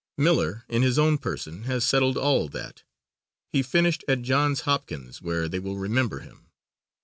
Miller, in his own person, has settled all that. He finished at Johns Hopkins where they will remember him.